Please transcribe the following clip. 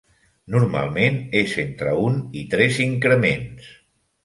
Normalment, és entre un i tres increments.